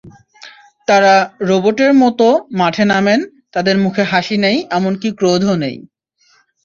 তাঁরা রোবটের মতো মাঠে নামেন, তাঁদের মুখে হাসি নেই, এমনকি ক্রোধও নেই।